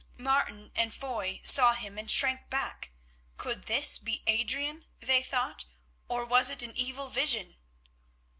Martin and Foy saw him and shrank back. Could this be Adrian, they thought, or was it an evil vision?